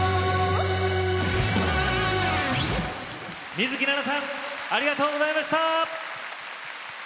水樹奈々さんありがとうございました。